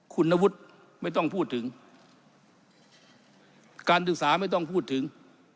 คุณวุฒิไม่ต้องพูดถึงการศึกษาไม่ต้องพูดถึง